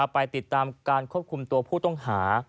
ไปติดตามการควบคุมตัวผู้ต้องหา